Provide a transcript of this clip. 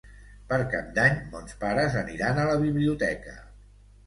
Per Cap d'Any mons pares aniran a la biblioteca.